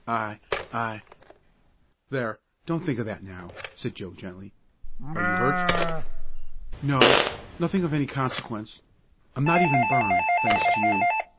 I I " "There, don't think of that now," said Joe gently. "Are you hurt?" "No nothing of any consequence. I'm not even burned, thanks to you.